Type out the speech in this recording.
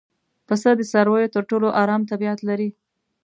پسه د څارویو تر ټولو ارام طبیعت لري.